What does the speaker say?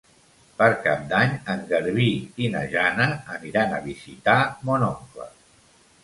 Per Cap d'Any en Garbí i na Jana aniran a visitar mon oncle.